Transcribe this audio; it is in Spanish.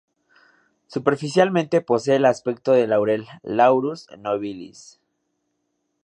Superficialmente posee el aspecto de un laurel "Laurus nobilis".